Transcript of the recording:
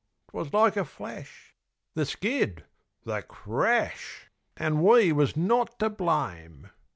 'Twas like a flash, the skid the crash. An' we was not to blame.